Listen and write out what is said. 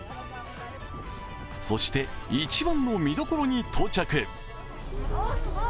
そして、一番の見どころに到着。